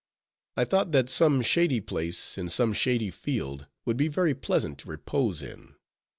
I thought that some shady place, in some shady field, would be very pleasant to repose in.